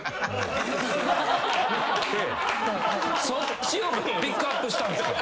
そっちをピックアップしたんすか。